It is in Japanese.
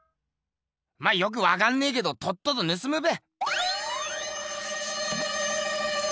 まあよくわかんねえけどとっととぬすむべ。